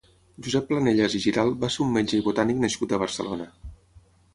Josep Planellas i Giralt va ser un metge i botànic nascut a Barcelona.